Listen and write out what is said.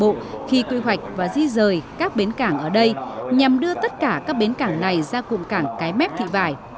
nhưng đồng bộ khi quy hoạch và di rời các bến cảng ở đây nhằm đưa tất cả các bến cảng này ra cùng cảng cái mép thị vải